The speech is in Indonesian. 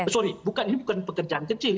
sorry ini bukan pekerjaan kecil